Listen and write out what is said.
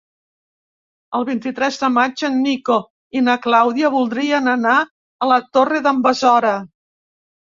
El vint-i-tres de maig en Nico i na Clàudia voldrien anar a la Torre d'en Besora.